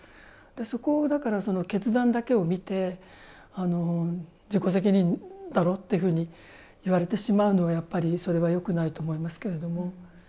そこをだからその決断だけを見て自己責任だろっていうふうに言われてしまうのはやっぱりそれはよくないと思いますけれども。